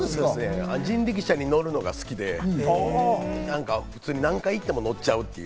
人力車に乗るのが好きで、何回行っても乗っちゃう。